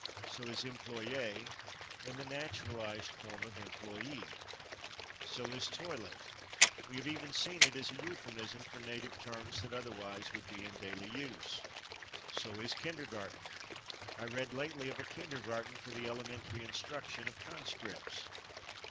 So is /employé/, in the naturalized form of /employee/. So is /toilet/: we have even seen it as a euphemism for native terms that otherwise would be in daily use. So is /kindergarten/: I read lately of a /kindergarten/ for the elementary instruction of conscripts.